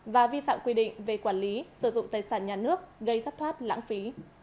và vi phạm quy định về quản lý sử dụng tài sản nhà nước gây thất thoát lãng phí